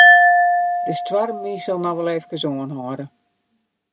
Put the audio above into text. De stoarmwyn sil noch wol efkes oanhâlde.